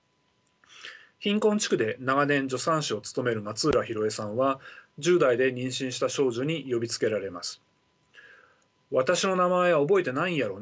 貧困地区で長年助産師をつとめる松浦洋栄さんは１０代で妊娠した少女に呼びつけられます。